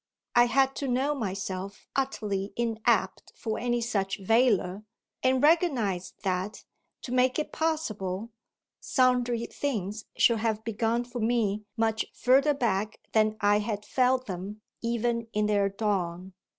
I had to know myself utterly inapt for any such valour and recognise that, to make it possible, sundry things should have begun for me much further back than I had felt them even in their dawn.